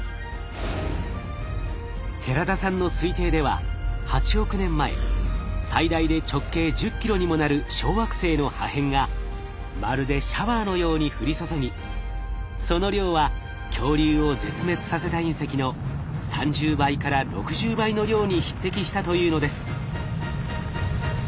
寺田さんの推定では８億年前最大で直径１０キロにもなる小惑星の破片がまるでシャワーのように降り注ぎその量は恐竜を絶滅させた隕石の３０倍から６０倍の量に匹敵したというのです。